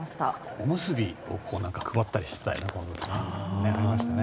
おむすびを配ってたりなんかしてたりありましたね。